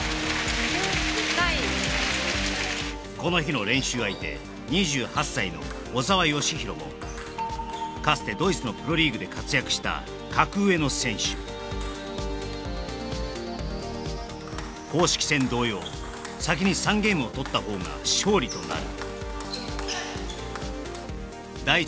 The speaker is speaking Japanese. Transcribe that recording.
この日の練習相手２８歳の小澤吉大もかつてドイツのプロリーグで活躍した格上の選手公式戦同様先に３ゲームをとった方が勝利となる第１